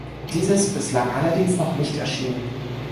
Diese ist bislang allerdings noch nicht erschienen.